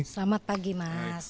selamat pagi mas